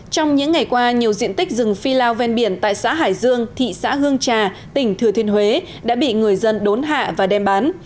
trong những ngày qua nhiều diện tích rừng phi lao ven biển tại xã hải dương thị xã hương trà tỉnh thừa thiên huế đã bị người dân đốn hạ và đem bán